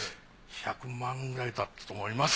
１００万くらいだったと思います。